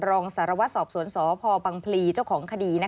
รองสารวัตรสอบสวนสพบังพลีเจ้าของคดี